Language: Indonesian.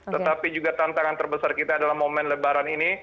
tetapi juga tantangan terbesar kita adalah momen lebaran ini